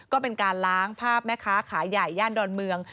ก็เป็นการล้างภาพแม่ค้าขายใหญ่ย่านดอนเมือง